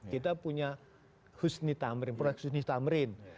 kita punya proyek husni tamrin